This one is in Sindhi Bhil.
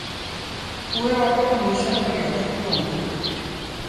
اُئي وکت مشرڦ ريٚ هڪومت هُݩديٚ۔